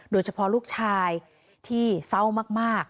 โดยเฉพาะลูกชายที่เศร้ามาก